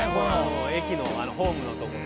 駅のホームのとこで。